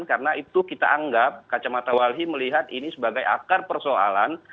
karena itu kita anggap kacamata walhi melihat ini sebagai akar persoalan